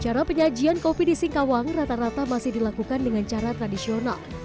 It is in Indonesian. cara penyajian kopi di singkawang rata rata masih dilakukan dengan cara tradisional